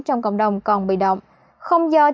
trong cộng đồng còn bị động